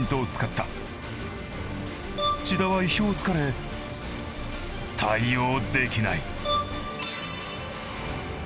千田は意表をつかれ対応できない。